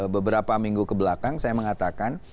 beberapa minggu kebelakang saya mengatakan